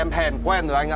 em hèn quen rồi anh ạ